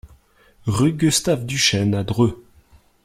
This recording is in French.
Rue Gustave Duchesne à Dreux